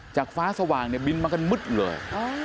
จากฟ้าสว่างบินมากันมึดเลย